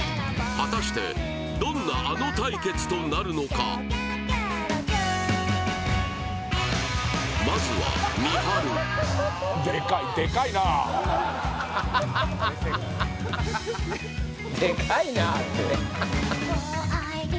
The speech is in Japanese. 果たしてどんなａｎｏ対決となるのかまずはみはるでかいでかいなあ我愛